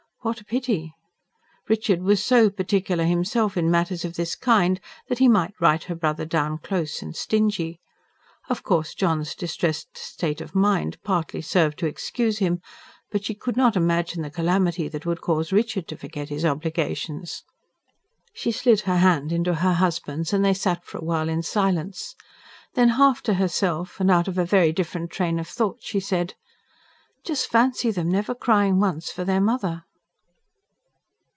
What a pity! Richard was so particular himself, in matters of this kind, that he might write her brother down close and stingy. Of course John's distressed state of mind partly served to excuse him. But she could not imagine the calamity that would cause Richard to forget his obligations. She slid her hand into her husband's and they sat for a while in silence. Then, half to herself, and out of a very different train of thought she said: "Just fancy them never crying once for their mother."